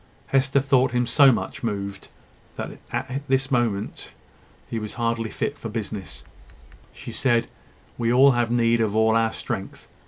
Hester thought him so much moved, that he was at this moment hardly fit for business. She said: "We all have need of all our strength.